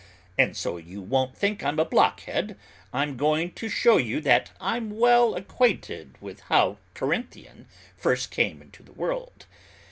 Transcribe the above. And, so you won't think I'm a blockhead, I'm going to show you that I'm well acquainted with how Corinthian first came into the world.